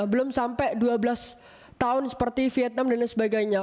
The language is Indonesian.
belum sampai dua belas tahun seperti vietnam dan lain sebagainya